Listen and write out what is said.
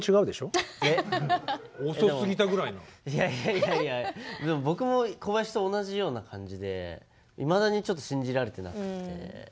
いやいや僕も小林と同じような感じでいまだにちょっと信じられてなくて。